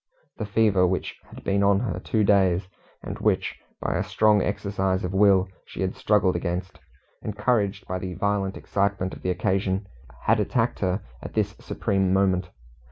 The fever which had been on her two days, and which, by a strong exercise of will, she had struggled against encouraged by the violent excitement of the occasion had attacked her at this supreme moment.